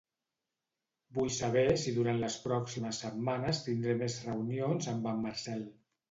Vull saber si durant les pròximes setmanes tindré més reunions amb en Marcel.